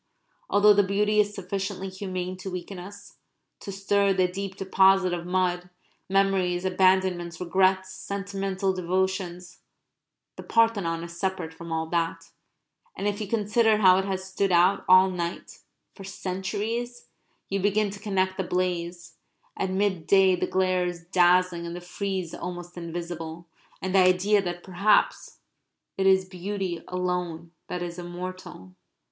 Although the beauty is sufficiently humane to weaken us, to stir the deep deposit of mud memories, abandonments, regrets, sentimental devotions the Parthenon is separate from all that; and if you consider how it has stood out all night, for centuries, you begin to connect the blaze (at midday the glare is dazzling and the frieze almost invisible) with the idea that perhaps it is beauty alone that is immortal.